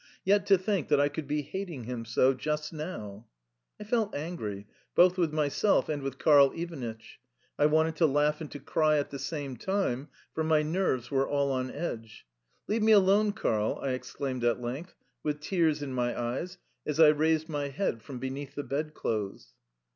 "Yet to think that I could be hating him so just now!" I felt angry, both with myself and with Karl Ivanitch, I wanted to laugh and to cry at the same time, for my nerves were all on edge. "Leave me alone, Karl!" I exclaimed at length, with tears in my eyes, as I raised my head from beneath the bed clothes.